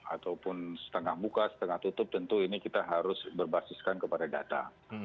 ataupun setengah buka setengah tutup tentu ini kita harus berbasiskan kepada data